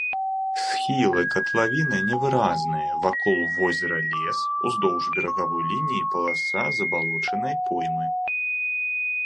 Схілы катлавіны невыразныя, вакол возера лес, уздоўж берагавой лініі паласа забалочанай поймы.